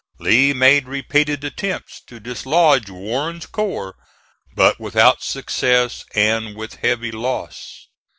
Lee made repeated attempts to dislodge Warren's corps, but without success, and with heavy loss.